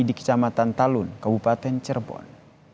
di kecamatan talun kabupaten cirebon